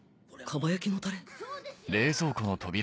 かば焼きのタレ？